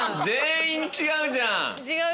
全員違うじゃん。